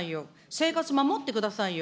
生活守ってくださいよ。